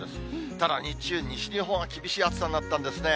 ただ日中、西日本は厳しい暑さになったんですね。